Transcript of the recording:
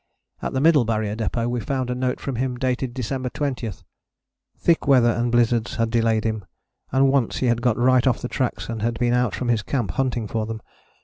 At the Middle Barrier Depôt we found a note from him dated December 20. "Thick weather and blizzards had delayed him, and once he had got right off the tracks and had been out from his camp hunting for them.